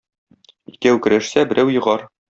Икәү көрәшсә, берәү егар.